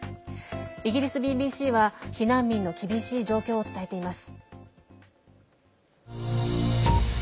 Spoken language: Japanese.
イギリスＢＢＣは避難民の厳しい状況を伝えています。